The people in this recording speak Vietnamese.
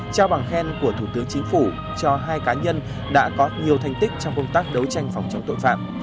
trao bằng khen của thủ tướng chính phủ cho hai cá nhân đã có nhiều thành tích trong công tác đấu tranh phòng chống tội phạm